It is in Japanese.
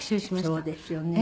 そうですよね。